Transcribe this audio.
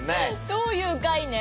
どういう概念？